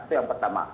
itu yang pertama